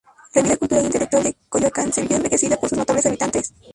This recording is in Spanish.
La vida cultural e intelectual de Coyoacán se vio enriquecida por sus notables habitantes.